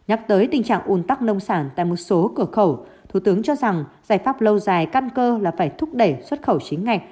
ở khẩu thủ tướng cho rằng giải pháp lâu dài căn cơ là phải thúc đẩy xuất khẩu chính ngạch